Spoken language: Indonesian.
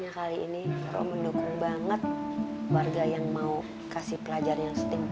kalau misalnya tuan gitu yang kandung